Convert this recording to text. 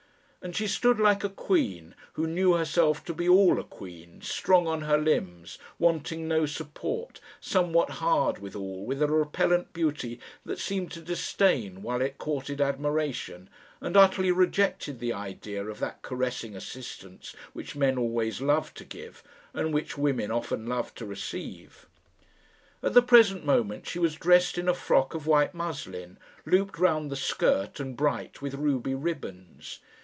And she stood like a queen, who knew herself to be all a queen, strong on her limbs, wanting no support, somewhat hard withal, with a repellant beauty that seemed to disdain while it courted admiration, and utterly rejected the idea of that caressing assistance which men always love to give, and which women often love to receive. At the present moment she was dressed in a frock of white muslin, looped round the skirt, and bright with ruby ribbons.